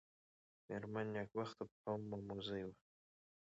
مېرمن نېکبخته په قوم مموزۍ وه.